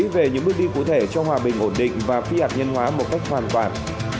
về những bước đi cụ thể cho hòa bình ổn định và phi hạt nhân hóa một cách hoàn toàn